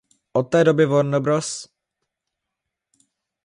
Od té doby Warner Bros.